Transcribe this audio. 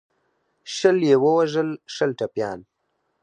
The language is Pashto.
شل یې ووژل شل ټپیان.